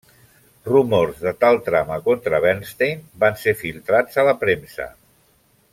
Rumors de tal trama contra Bernstein van ser filtrats a la premsa.